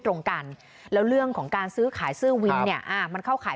ตรงกันแล้วเรื่องของการซื้อขายเสื้อวินเนี่ยอ่ามันเข้าขาย